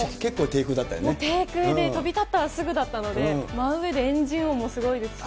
低空で、飛び立ったらすぐだったので、真上でエンジン音もすごいですし。